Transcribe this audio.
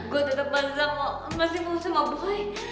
gue tetep baza mau masih mau sama boy